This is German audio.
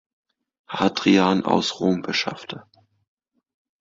Hadrian aus Rom beschaffte.